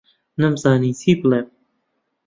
نەمزانی چی بڵێم.